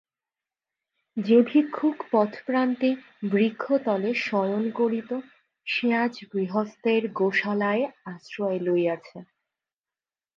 যে ভিক্ষুক পথপ্রান্তে বৃক্ষতলে শয়ন করিত সে আজ গৃহস্থের গোশালায় আশ্রয় লইয়াছে।